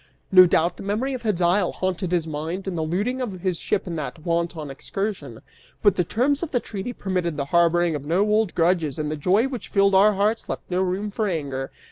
No doubt the memory of Hedyle haunted his mind, and the looting of his ship in that wanton excursion. But the terms of the treaty permitted the harboring of no old grudges and the joy which filled our hearts left no room for anger.